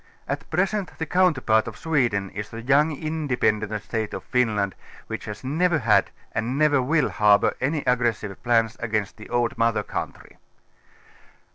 At present the counterpart of Sweden is the young independent State of Finland, which has never had and never will harbour any aggressive jjlaus against the old mother country.